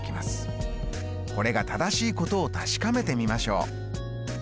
これが正しいことを確かめてみましょう。